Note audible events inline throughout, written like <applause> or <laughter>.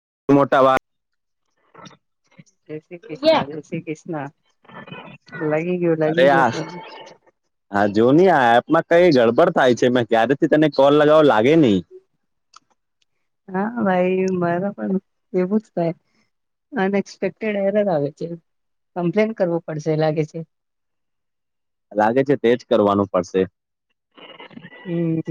<unintelligible> જય શ્રી કૃષ્ણ જય શ્રી કૃષ્ણ લાગી ગ્યો અરે લાગી ગ્યો આ ફોન. હા જો ની આ એપમાં કઈ ગડબડ થાય છે મેં ક્યારેથી તને કોલ લગાવો લાગ હા ભાઈ. વું થનએક્પેકડ એરર આવે છે, કમ્પ્લેન કરવું પડશે લાગે છે. લાગે છે તેજ કરવાનું પડશે. હમ,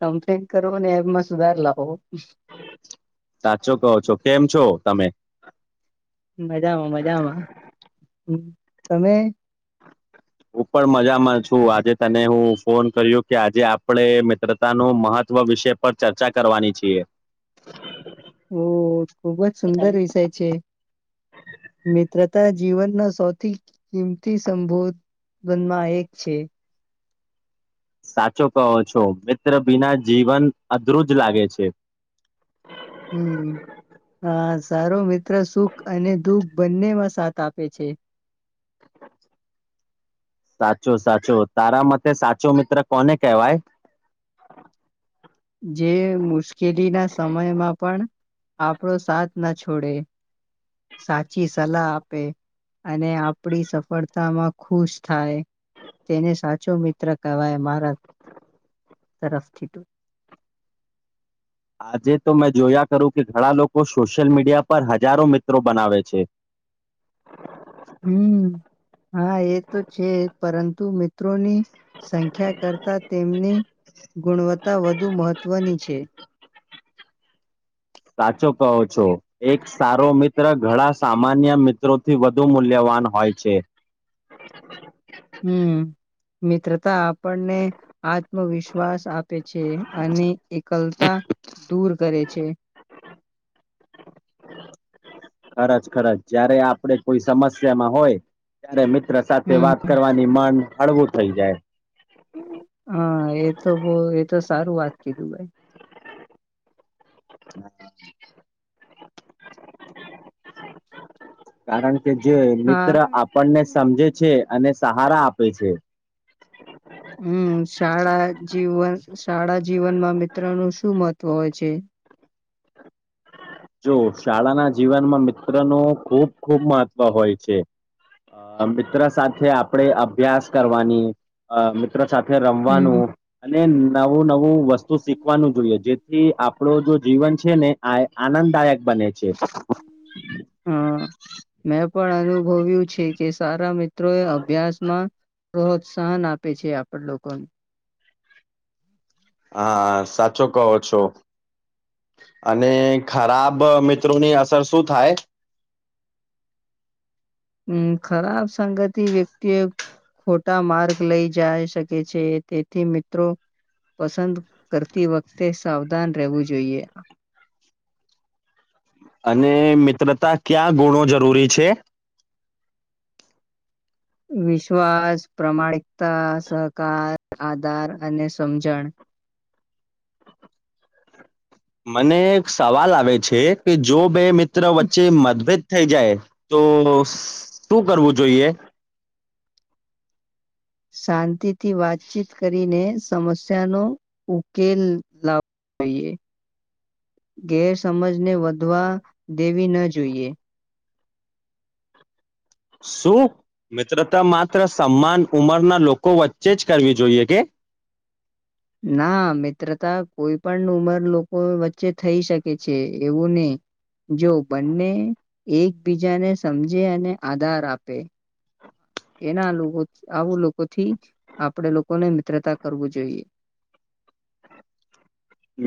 સમથિંગ કરો ને એબમાં સુધાર લાવો. સાચો કહો છો કેમ છો તમે? મજામાં મજામાં હ. તમે? હું પણ મજામાં છું આજે તને હું ફોન કર્યો કે આજે આપણે મિત્રતા ન મહત્વ વિષય પર ચર્ચા કરવાની છીએ. ઓ ખુબ જ સુંદર વિષય છે, મિત્રતા જીવનના સૌથી કિંમતી સંબોધનમાં એક છે. સાચો કહો છો મિત્ર બીના જીવન અધરુજ લાગે છે. હમ, હા સારો મિત્ર સુખ અને દુઃખ બંનેમાં સાથ આપે છે. સાચું સાચું તારા મતે સાચો મિત્ર કોને કહેવાય? જે મુશ્કેલીના સમયમાં પણ આપણો સાથ ના છોડે, સાચી સલાહ આપે અને આપડી સફળતામાં ખુશ થાય, તેને સાચો મિત્ર કહેવાય મારા તરફથી ટ. આજે તો મેં જોયા કરું કે ઘણા લોકો સોશિયલ મીડિયા પર હજારો મિત્રો બનાવે છે. હમ. હા એ તો છે પરંતુ તું ોની સંખ્યા કરતા તેમની ગુણવત્તા વધુ મહત્વની છે. છે. સાચો કહો છો, એક સારો મિત્ર ઘણા સામાન્ય મિત્રોથી વધુ મૂલ્યવાન હોય છે. હમ, મિત્રતા- આપણને આત્મવિશ્વાસ આપે છે અને એકલતા દૂર કરે છે. ખરજ ખરચ જયારે આપડે કોઈ સમસ્યામાં હોય, ત્યારે મિત્ર સાથે વાત હમ કરવાની માંગ હળવું થઈ જાય. હા એ તો બ એ તો સારું વાત કીધું ભાઈ. હમ <unintelligible> કારણ કે જે હા મિત્ર આપણને સમજે છે. અને સહારા આપે છે. હમ શાળા જીવન શાળા જીવનમાં મિત્રનું શું મહત્વ હોય છે? જો શાળાના જીવનમાં મિત્ર ન ખૂબ ખૂબ મહત્વ હોય છે, મિત્ર સાથે આપણે અભ્યાસ કરવાની, મિત્ર સાથે હમ. રમવાનું, અને નવું નવું વસ્તુ શીખવાનું જોઈએ જેથી આપણો જો જીવન છે ને આ આનંદદાયક બને છે. હા મેં પણ અનુભવ્યું છે કે સારા મિત્ર મિત્રો એ અભ્યાસમાં પ્રોત્સાહન આપે છે આપણ લોકોને હા સાચો કહો છો અને ખરાબ મિત્રોની અસર શું થાય મ ખરાબ સંગતિ વ્યક્તિઓ ખોટા માર્ગ લઈ જાય શકે છે તેથી મિત્રો પસંદ કરતી વખતે સાવધાન રહેવું જોઈએ અને મિત્રતા ક્યાં ગુણો જરૂરી છે વિશ્વાસ પ્રામાણિકતા સહકાર આધાર અને સમજણ મને સવાલ આવે છે કે જો બે મિત્ર મિત્ર વચ્ચે મતભેદ થઈ જાય તો શું કરવું જોઈએ શાંતિથી વાતચીત કરીને સમસ્યાનો ઉકેલ લાવવો જોઈએ ગેરસમજને વધવા દેવી ન જોઈએ શું મિત્રતા માત્ર સમાન ઉંમરના લોકો વચ્ચે જ કરવી જોઈએ કે ના મિત્રતા કોઈ પણ ઉંમર લોકો વચ્ચે થઈ શકે છે એવું નહી જો બંને એકબીજાને સમજે અને આધાર આપે એના લોકો આવું લોકોથી આપણેે લોકોને મિત્રતા કરવું જોઈએ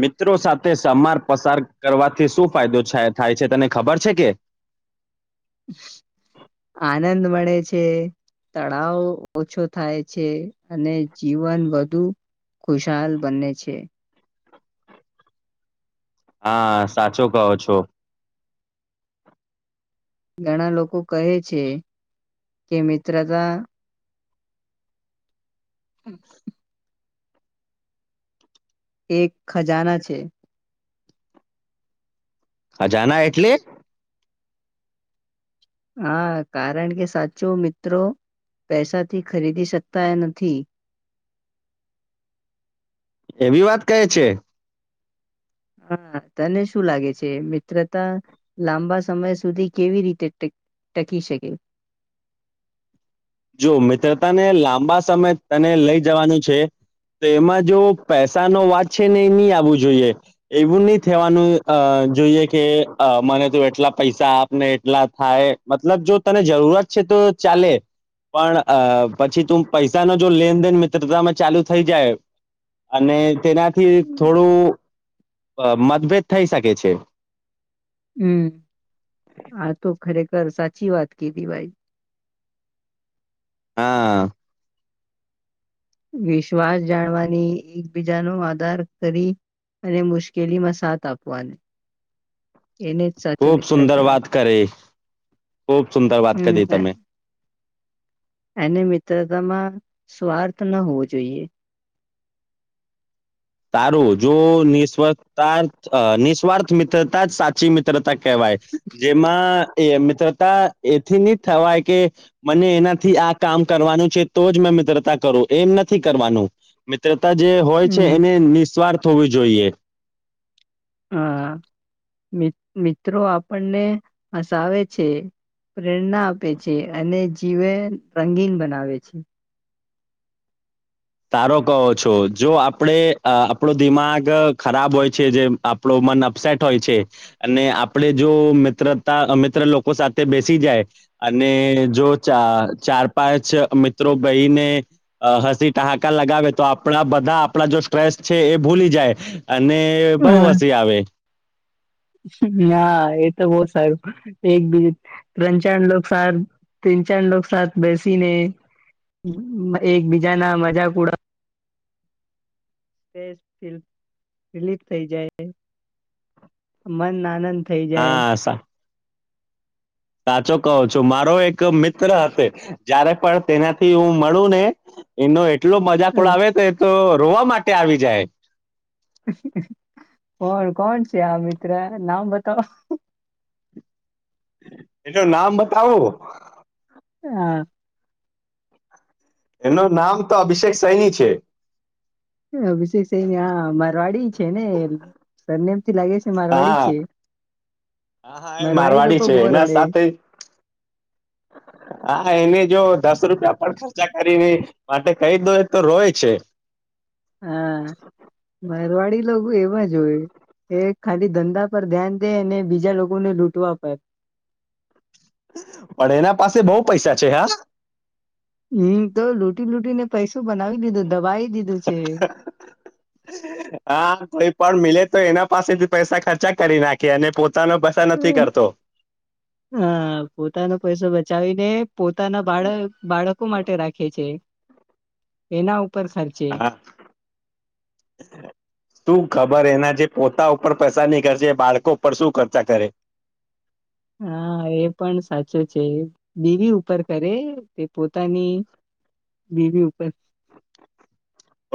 મિત્રો સાથે સમાર પસાર કરવાથી શું ફાયદો થાય છે તને ખબર છે કે આનંદ મળે છે તળાવ ઓછો થાય છે અને જીવન વધુ ખુશાલ બને છે હા સાચો કહો છો ઘણા લોકો કહે છે કે મિત્રતા હમ એક ખજાના છે અજાના એટલે હા કારણ કે સાચું મિત્રો પૈસાથી ખરીદી શકતા એ નથી એવી વાત કહે છે હા તને શું લાગે છે મિત્રતા લાંબા સમય સુધી કેવી રીતે ટક ટકી શકે જો મિત્રતાને લાંબા સમય તને લઈ જવાનું છે તો એમાં જો પૈસાનો વાત છે ને એ નહી આવવું જોઈએ એવું નહી થવાનું જોઈએ કે મને તો એટલા પૈસા આપને એટલા થાય મતલબ જો તને જરૂરત છે તો ચાલે પણ અ પછી તું પૈસાનો જો લેનદેન મિત્રતામાં ચાલુ થઈ જાય અને તેનાથી થોડું મતભેદ થઈ શકે છે હમ આ તો ખરેખર સર સાચી વાત કીઘી ભાઈ હા વિશ્વાસ જાણવાની એકબીજાનો આધાર કરી અને મુશ્કેલીમાં સાથ આપવાની એને જ સાચો ખૂબ મિત્ર સુંદર કહેવાય. વાત કરી ખૂબ સુંદર વાત કરી તમે એને મિત્રતામાં સ્વાર્થ ન હોવો જોઈએ તારું જો નિસ્ર્થથ નિસ્વાર્થ મિત્રતા જ સાચી મિત્રતા કહેવાય જેમાં એ મિત્રતા એથી ન થવાય કે મને એનાથી આ કામ કરવાનું છે તો જ મેં મિત્રતા કરું એમ નથી કરવાનું મ્ર જે હોય છે હમ નિસ્વાર્થ હોવીું જોઈએ હ મ મિત્રો આપણને હસાવે છે પ્રેરણા આપે છે અને જીવેન રંગીન બનાવે છે સારો કહો છો જો આપણેે અ આપણો દિમાગ ખરાબ હોય છે જેમ આપણો મન અપસેટ હોય છે અને આપડે જો મિત્રતા મિત્ર લોકો સાથે બેસી જાય અને જો ચ ચાર પાંચ મિત્રો બહીને હસી ઠહાકા લગાવે તો આપણા બધા આપણા જો સ્ટ્રેસ છે એ ભૂલી જાય અને બઉ હસી આવે ના એ તો બહુ સારું એક બિજ ત્રણ ચાર લોકો સાથે તિન ચાર લોકો સાથ બેસીને એકબીજા ના મજાક ઉડા ફમ રિલીઝ થઈ જાય મન આનંદ થઈ જાય હા સાચો કહો છો મારો એક મિત્ર હતો જયારે પણ તેનાથી હું મળું ને એને ટલો મજા હમ, પડાવે તે તો રોવા માટે આવી જાય કોણ કોણ છે આ મિત્ર નામ બતાવ? એનું નામ બતાવું હા. એનું નામ તો અભિષેક સૈની છે. અભિષેક સેની મારવાડી છે ને સરનેમ. હા હા હા એ મારવાડી લોકો છે બહુ એના રડે સાથે હા એને જ જો દસ રૂપિયા પણ ખર્ચા કરી હોય માટે કહી દો તો રોય છે. હા મારવાડી લોકો એવા જ હોય કે ખાલી ધંધા પર ધ્યાન દે અને બીજા લોકોને લૂટવા પર. પણ એના પાસે બઉ પૈસા છે હા. હમ તો લૂટી લૂટી ને પૈસું બનાવી લીધું. હા કોઈ પણ મીલે તો એના પાસેથી પૈસા ખર્ચા કરી નાખીએ અને પો હ હા પોતાનો પૈસો બચાવી દે પોતાના બાળક બાળકો માટે રાખે છે. એના ઉપ હા તું ખબર એના જે પોતા ઉપર પૈસા નઈ ખર્ચે એ બાળકો પર શું ખર્ચા કરે હા એ પણ સાચો છે બીવી ઉપર કરે તે પોતાની બીવી ઉપર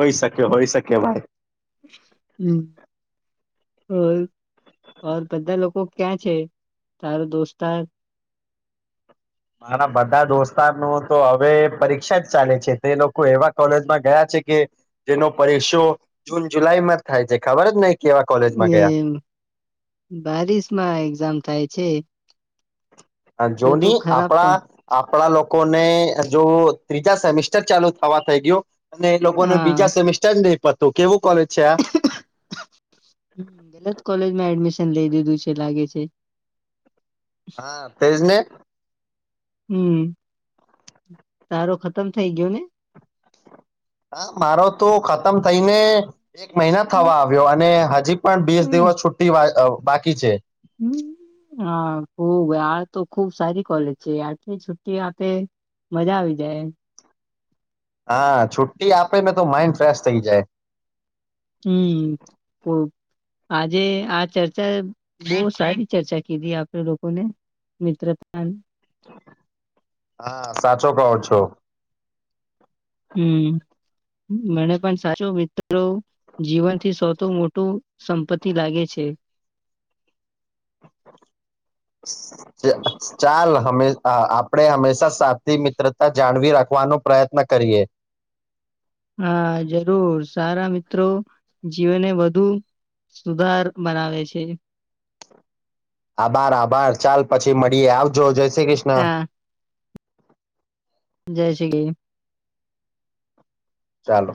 હોઈ શકે હોય શકે ભાઈ. હ હમ બધા લોકો ક્યાં છે તારો દોસ્તાર? મારા બધા દોસ્તારનું તો હવે પરીક્ષા જ ચાલે છે તે લોકો એવા કોલેજમાં ગયા છે કે જેનો પરીક્ષો જૂન જુલાઈ માં જ થાય છે ખબર જ નહી કેવા કોલેજમાં એ ગયા બારિશ માં એક્ઝામ થાય. છે. તો તો જોની ખરાબ આપડા પણ આ પડા લોકો ને જો ત્રીજા સેમિસ્ટર ચાલુ થવા થઈ ગયું. અને એ લોકો ને હા બીજા સેમિસ્ટર જ નઈ પ તો કેવો કોલેજ. છે આ ગલત કોલેજમાં એડમીશ તમ લઈ દીધું છે લાગે છે. હા તેજને. હમ તારો ખતમ થઇ ગયો ને. હા મારો તો ખતમ થઇ ને એક મહિના હમ થવા આવ્યો અને હજી પણ બીસ દિવસ છૂટી વાય અ બાકી છે. હ હા ખુબ આ તો ખુબ સારી કોલેજ છે આટલી છુ્ટી આપે મજા આવી જાય એમ. હા છુટ્ટી આપે ને તો માઈન્ડ ફ્રેશ થઈ જાય. હમ તો આજે આ ચર્ચા બહુ સારી ચર્ચા કીધી આપણે લોકોને મિત્રતાની. હા સાચો કહો છો. હમ મને પણ સાચો મિત્રો જીવનથી સૌથી મોટું સંપત્તિ લાગે છે. ચ ચાલ હંમે આ આપડે હંમેશા સાથી મિત્રતા જાળવી રાખવાનો પ્રયત્ન કરીએ. હા જરૂર સારા મિત્રો જીવનને વધુ સુધાર બનાવે છે. આભાર આભાર ચાલ પછી મળીએ આવજો જેય શ્રી ક્રિષ્ન. હા જય શ્રી કી ચાલો.